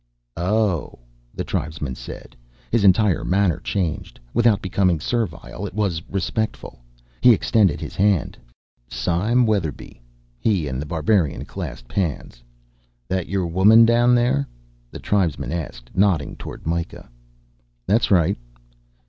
"Oh," the tribesman said. His entire manner changed. Without becoming servile, it was respectful. He extended his hand. "Sime Weatherby." He and The Barbarian clasped hands. "That your woman down there?" the tribesman asked, nodding toward Myka. "That's right."